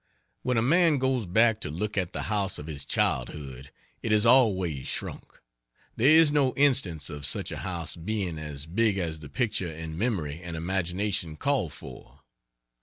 When a man goes back to look at the house of his childhood, it has always shrunk: there is no instance of such a house being as big as the picture in memory and imagination call for.